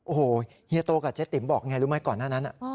โอ้โหเฮียโตกับเจ๊ติ๋มบอกไงรู้ไหมก่อนหน้านั้น